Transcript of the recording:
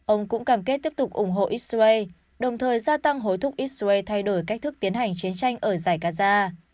ông cũng cam kết tiếp tục ủng hộ israel đồng thời gia tăng hối thúc israel thay đổi cách thức tiến hành chiến tranh ở giải gaza